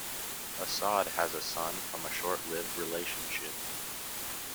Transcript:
Assad has a son from a short-lived relationship.